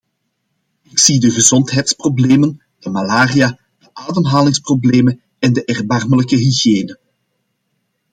Ik zie de gezondheidsproblemen, de malaria, de ademhalingsproblemen en de erbarmelijke hygiëne.